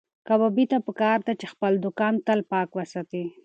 کبابي ته پکار ده چې خپل دوکان تل پاک وساتي.